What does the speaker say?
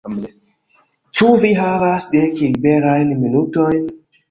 Ĉu vi havas dek liberajn minutojn?